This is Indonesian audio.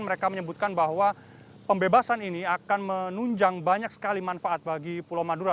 mereka menyebutkan bahwa pembebasan ini akan menunjang banyak sekali manfaat bagi pulau madura